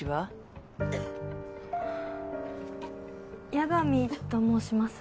矢上と申します。